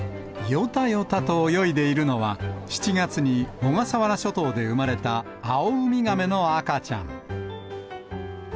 よたよたと泳いでいるのは、７月に小笠原諸島で産まれたアオウミガメの赤ちゃん。